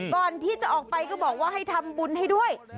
ก่อนที่จะออกไปก็บอกว่าให้ทำบุญให้ด้วย